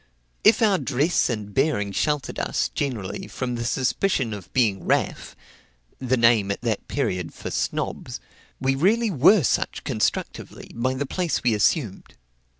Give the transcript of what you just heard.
If our dress and bearing sheltered us, generally, from the suspicion of being "raff," (the name at that period for "snobs,") we really were such constructively, by the place we assumed.